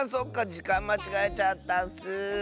じかんまちがえちゃったッス。